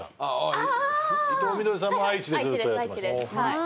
伊藤みどりさんも愛知でずっとやってました。